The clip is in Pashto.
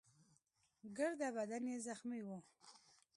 ګرده بدن يې زخمي وو.